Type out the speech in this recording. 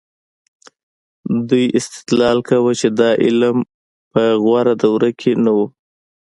دوی استدلال کاوه چې دا علم په غوره دوره کې نه و.